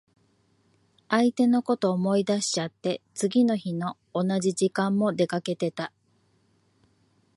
相手のこと思い出しちゃって、次の日の同じ時間も出かけてた。